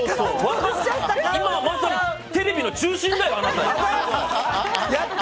今まさにテレビの中心だよ、あなた！